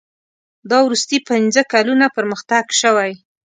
دا وروستي پنځه کلونه پرمختګ شوی.